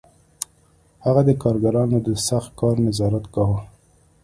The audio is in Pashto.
هغه د کارګرانو د سخت کار نظارت کاوه